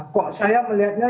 kok saya melihatnya